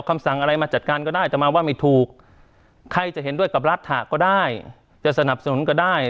คำสั่งอะไรมาจัดการก็ได้แต่มาว่าไม่ถูกใครจะเห็นด้วยกับรัฐะก็ได้จะสนับสนุนก็ได้